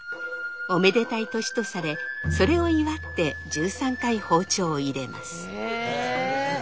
おめでたい年とされそれを祝って１３回包丁を入れます。